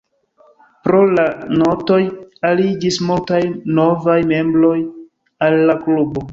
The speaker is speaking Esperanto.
Pro la Notoj aliĝis multaj novaj membroj al la klubo.